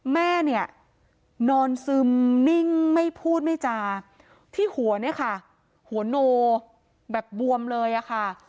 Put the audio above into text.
แม่เนี่ยนอนซึมนิ่งไม่พูดไม่จาที่หัวเนี่ยค่ะหัวโนแบบบวมเลยอะค่ะ